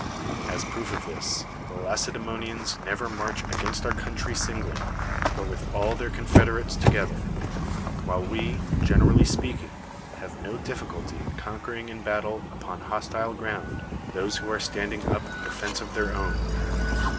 As a proof of this, the Lacedaemonians never march against our coun try singly, but with all [their confederates] to gether: while we, generally speaking, have no difficulty in conquering in battle upon hostile ground those who are standing up in defense of tlieir own.